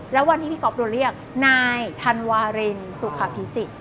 แล้ววันที่พี่ก๊อฟโดนเรียกนายธันวารินสุขภิษิต